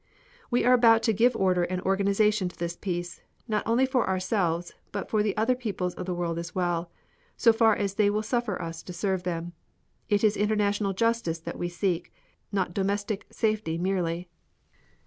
"We are about to give order and organization to this peace, not only for ourselves, but for the other peoples of the world as well, so far as they will suffer us to serve them. It is international justice that we seek, not domestic safety merely.